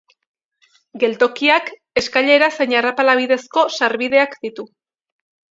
Geltokiak eskailera zein arrapala bidezko sarbideak ditu.